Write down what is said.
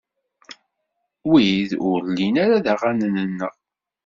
Wid ur llin ara d aɣanen-nneɣ.